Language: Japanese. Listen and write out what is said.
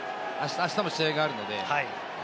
あしたも試合があるので。